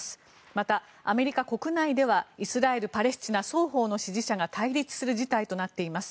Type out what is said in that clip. また、アメリカ国内ではイスラエル、パレスチナ双方の支持者が対立する事態となっています。